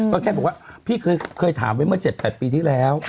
ก็แค่บอกว่าพี่เคยถามไว้เมื่อ๗๘ปีที่แล้ว